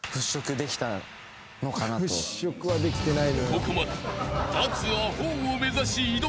［ここまで］